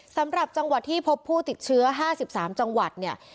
สำหรับจังหวัดที่พบผู้ติดเชื้อ๕๓จังหวัดเนี่ย